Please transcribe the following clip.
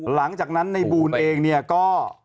หลังจากนั้นในบูลเองเนี่ยก็